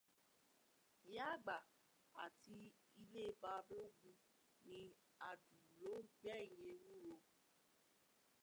Ìyá àgbà ti ilé Balógun ní adùn ló ń gbẹ̀yì ewúro.